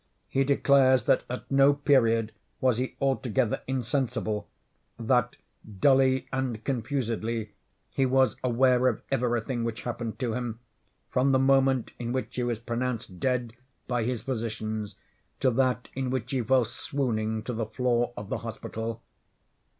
He declares that at no period was he altogether insensible—that, dully and confusedly, he was aware of everything which happened to him, from the moment in which he was pronounced dead by his physicians, to that in which he fell swooning to the floor of the hospital.